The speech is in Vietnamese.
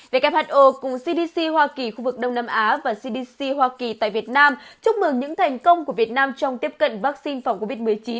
who cùng cdc hoa kỳ khu vực đông nam á và cdc hoa kỳ tại việt nam chúc mừng những thành công của việt nam trong tiếp cận vaccine phòng covid một mươi chín